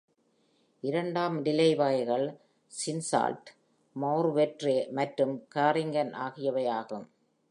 இரண்டாம்நிலை வகைகள் சின்சால்ட், மௌர்வெட்ரே மற்றும் காரிங்கன் ஆகியவை ஆகும்.